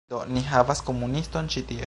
Do, ni havas komuniston ĉi tie